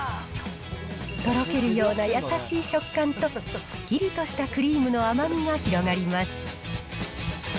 とろけるような優しい食感とすっきりとしたクリームの甘みが広がります。